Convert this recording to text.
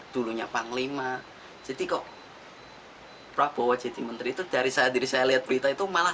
dulunya panglima jadi kok prabowo jadi menteri itu dari saat diri saya lihat berita itu malah